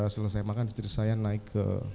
setelah saya makan istri saya naik ke